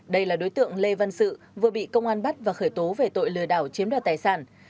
đây là đối tượng lê văn sự vừa bị công an bắt và khởi tố về tội lừa đảo chiếm đoạt tài sản